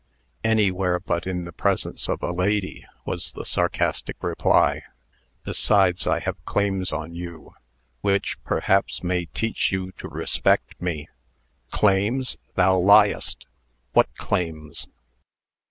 "Anywhere but in the presence of a lady," was the sarcastic reply. "Besides, I have claims on you, which, perhaps may teach you to respect me." "Claims! Thou liest! What claims?"